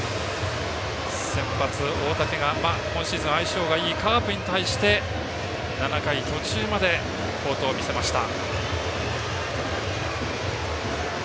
先発、大竹が今シーズン相性がいいカープに対して７回途中まで好投を見せました。